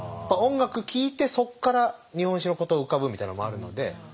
音楽聴いてそこから日本史のことが浮かぶみたいなのもあるので。